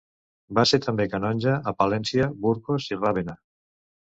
Va ser també canonge a Palència, Burgos i Ravenna.